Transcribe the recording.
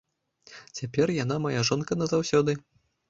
Цяпер яна мая жонка назаўсёды.